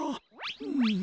うん。